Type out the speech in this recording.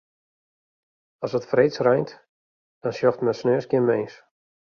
As it freeds reint, dan sjocht men sneons gjin mins.